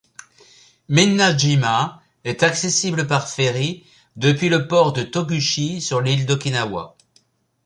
Minna-jima est accessible par ferry depuis le port de Toguchi sur l'île d'Okinawa.